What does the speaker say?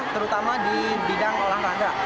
terutama di bidang olahraga